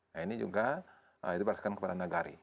nah ini juga diperhatikan kepada nagari